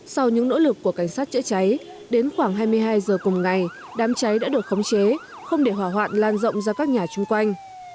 sau những nỗ lực của cảnh sát chữa cháy đến khoảng hai mươi hai giờ cùng ngày đám cháy đã được khống chế không để hỏa hoạn lan rộng ra các nhà chung quanh